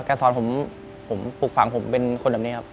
การสอนผมปลูกฝังผมเป็นคนแบบนี้ครับ